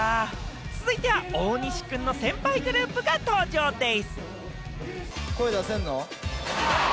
続いては大西くんの先輩グループが登場でぃす！